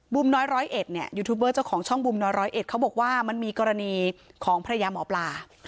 น้อยร้อยเอ็ดเนี่ยยูทูบเบอร์เจ้าของช่องบูมน้อยร้อยเอ็ดเขาบอกว่ามันมีกรณีของภรรยาหมอปลา